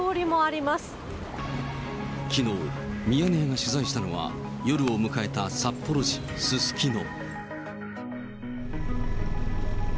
きのう、ミヤネ屋が取材したのは、夜を迎えた札幌市すすきの。